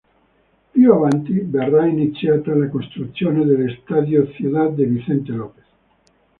Più avanti verrà iniziata la costruzione dell'Estadio Ciudad de Vicente López.